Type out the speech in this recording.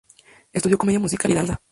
Estudió comedia musical y danza.